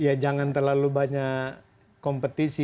ya jangan terlalu banyak kompetisi